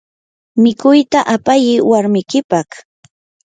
mikuyta apayi warmikipaq.